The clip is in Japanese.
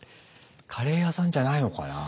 カレー屋さんじゃないのかな。